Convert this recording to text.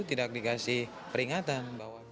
tidak dikasih peringatan